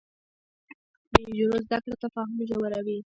د نجونو زده کړه تفاهم ژوروي.